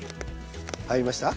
入りました？